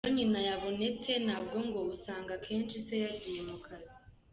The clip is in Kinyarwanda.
Iyo nyina yabonetse nabwo ngo usanga akenshi se yagiye mu kazi.